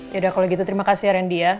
ya udah kalau gitu terima kasih randy ya